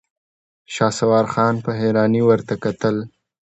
شهسوار خان په حيرانۍ ورته کتل.